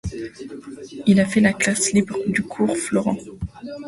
Il a fait la classe libre du Cours Florent.